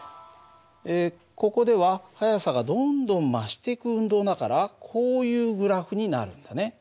ここでは速さがどんどん増していく運動だからこういうグラフになるんだね。